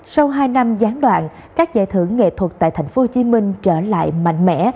sau hai năm gián đoạn các giải thưởng nghệ thuật tại tp hcm trở lại mạnh mẽ